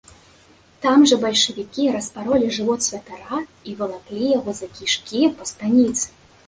Там жа бальшавікі распаролі жывот святара і валаклі яго за кішкі па станіцы.